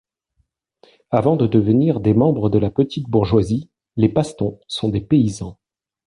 Avant de devenir des membres de la petite bourgeoisie, les Paston sont des paysans.